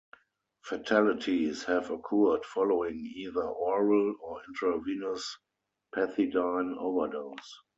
Fatalities have occurred following either oral or intravenous pethidine overdose.